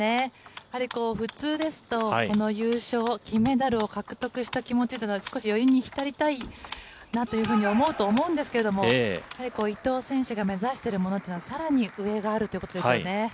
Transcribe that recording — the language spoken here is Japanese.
やはり普通ですと、この優勝、金メダルを獲得した気持ちというのは、少し余韻に浸りたいなというふうに思うと思うんですけれども、やはり伊藤選手が目指してるものっていうのは、さらに上があるということですよね。